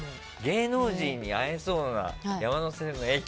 芸能人に会えそうな山手線の駅。